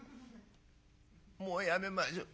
「もうやめましょ。